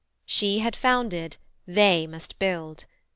She had founded; they must build.